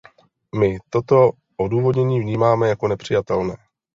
My toto odůvodnění vnímáme jako nepřijatelné.